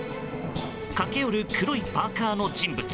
駆け寄る黒いパーカの人物。